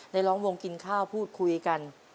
ร้องวงกินข้าวพูดคุยกัน